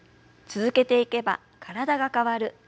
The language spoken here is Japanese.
続けていけば体が変わる。